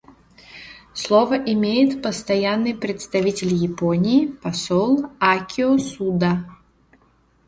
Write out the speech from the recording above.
Слово имеет Постоянный представитель Японии посол Акио Суда.